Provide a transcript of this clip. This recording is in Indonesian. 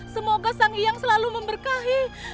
semoga sang yang selalu memberkahi